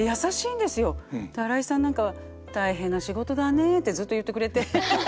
新井さんなんかは「大変な仕事だね」ってずっと言ってくれて。